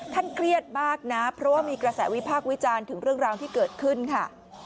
เครียดมากนะเพราะว่ามีกระแสวิพากษ์วิจารณ์ถึงเรื่องราวที่เกิดขึ้นค่ะ